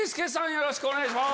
よろしくお願いします。